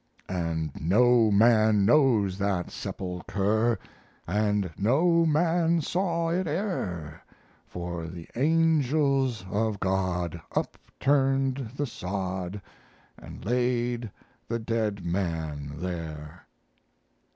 And no man knows that sepulchre, And no man saw it e'er, For the angels of God, upturned the sod, And laid the dead man there.